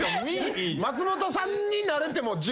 松本さんになれても。